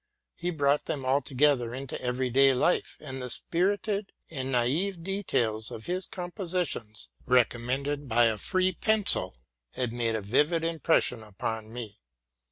He brought them alto gether into every day life ; and the spirited and naive details of his compositions, recommended by a free pencil, had made a vivid impression upon me.